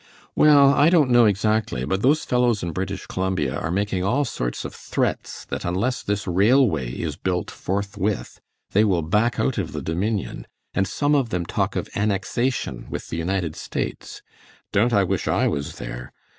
"Well, I don't know exactly, but those fellows in British Columbia are making all sorts of threats that unless this railway is built forthwith they will back out of the Dominion, and some of them talk of annexation with the United States. Don't I wish I was there!